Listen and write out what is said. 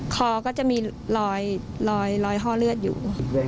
คอก็จะมีรอยห้อเลือดอยู่